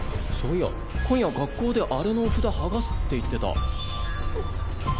そういや今夜学校であれのお札がすって言ってた。